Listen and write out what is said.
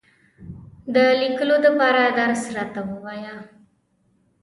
د لیکلو دپاره درس راته ووایه !